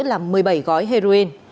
là một mươi bảy gói heroin